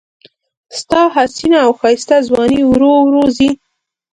ستا حسینه او ښایسته ځواني ورو ورو ځي